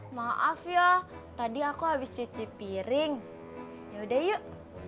maaf ya tadi aku habis cuci piring yaudah yuk